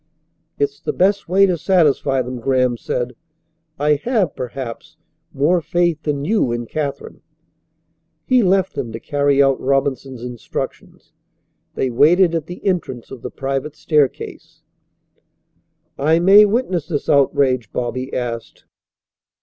"It's the best way to satisfy them," Graham said. "I have, perhaps, more faith than you in Katherine." He left them to carry out Robinson's instructions. They waited at the entrance of the private staircase. "I may witness this outrage?" Bobby asked.